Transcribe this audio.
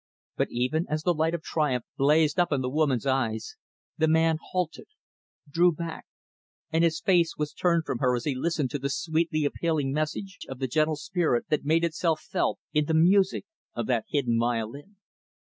But even as the light of triumph blazed up in the woman's eyes, the man halted, drew back; and his face was turned from her as he listened to the sweetly appealing message of the gentle spirit that made itself felt in the music of that hidden violin.